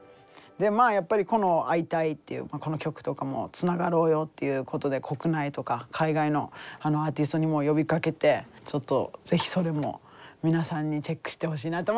この「アイタイ！」っていうこの曲とかもつながろうよっていうことで国内とか海外のアーティストにも呼びかけてちょっとぜひそれも皆さんにチェックしてほしいなと思います。